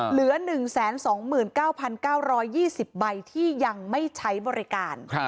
เหลือ๑๒๙๙๒๐ใบที่ยังไม่ใช้บริการ